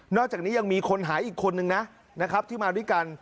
อกจากนี้ยังมีคนหายอีกคนนึงนะนะครับที่มาด้วยกัน